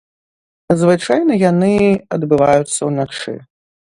Звычайна яны адбываюцца ўначы.